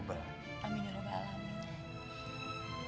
amin ya rabbal alamin ya